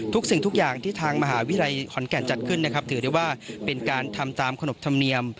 สิ่งทุกอย่างที่ทางมหาวิทยาลัยขอนแก่นจัดขึ้นนะครับถือได้ว่าเป็นการทำตามขนบธรรมเนียม